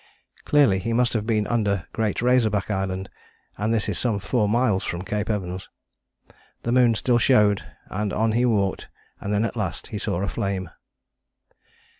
Clearly he must have been under Great Razorback Island and this is some four miles from Cape Evans. The moon still showed, and on he walked and then at last he saw a flame.